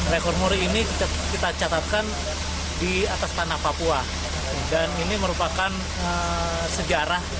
rekor muri ini kita catatkan di atas tanah papua dan ini merupakan sejarah